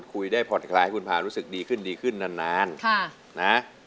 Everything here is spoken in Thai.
ได้พูดคุยได้พอร์ตและไข่ให้คุณผ่านรู้สึกดีขึ้นดีขึ้นนาน